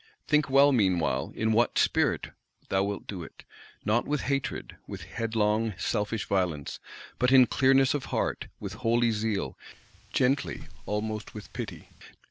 Think well, meanwhile, in what spirit thou wilt do it: not with hatred, with headlong selfish violence; but in clearness of heart, with holy zeal, gently, almost with pity.